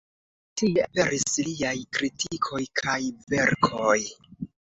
Tie aperis liaj kritikoj kaj verkoj.